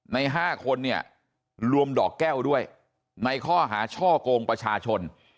ใน๕คนเนี่ยรวมดอกแก้วด้วยในข้อหาช่อกงประชาชน